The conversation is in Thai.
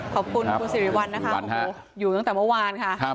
ขอบคุณคุณสีวรรณนะคะอยู่ตั้งแต่เมื่อวานค่ะ